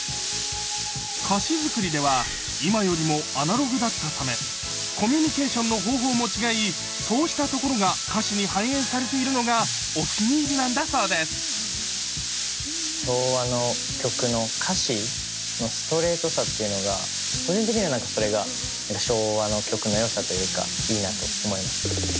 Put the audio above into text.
歌詞作りでは今よりもアナログだったためコミュニケーションの方法も違いそうしたところが歌詞に反映されているのがお気に入りなんだそうです昭和の曲の歌詞のストレートさっていうのが個人的にはそれが昭和の曲の良さというかいいなと思います。